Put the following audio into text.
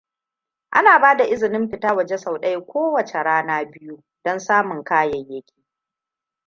ana bada izinin fita waje sau ɗaya kowace rana biyu don samun kayayyaki